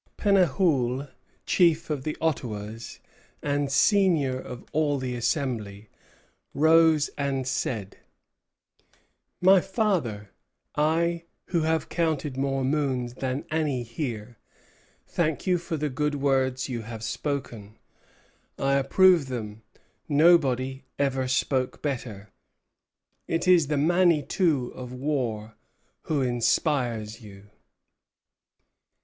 Pennahouel, chief of the Ottawas, and senior of all the Assembly, rose and said: "My father, I, who have counted more moons than any here, thank you for the good words you have spoken. I approve them. Nobody ever spoke better. It is the Manitou of War who inspires you."